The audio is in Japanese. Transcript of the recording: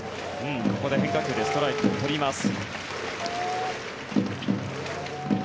ここで変化球でストライクを取ります。